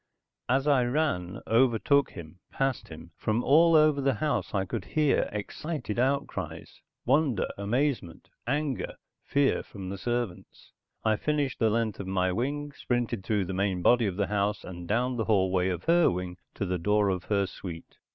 As I ran, overtook him, passed him, from all over the house I could hear excited outcries, wonder, amazement, anger, fear from the servants. I finished the length of my wing, sprinted through the main body of the house, and down the hallway of her wing to the door of her suite.